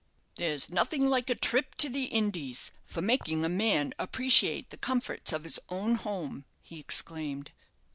"There's nothing like a trip to the Indies for making a man appreciate the comforts of his own home," he exclaimed.